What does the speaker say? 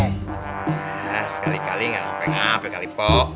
ya sekali kali gak laper laper kali pok